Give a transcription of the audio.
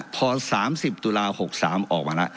พอ๓๐๖๓ออกมาแล้ว